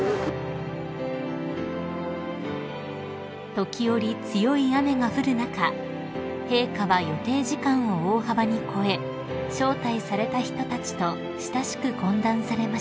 ［時折強い雨が降る中陛下は予定時間を大幅に超え招待された人たちと親しく懇談されました］